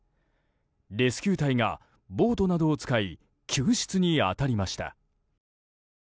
レスキュー隊がボートなどを使い救出に当たりました。